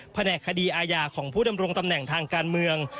แหนกคดีอาญาของผู้ดำรงตำแหน่งทางการเมือง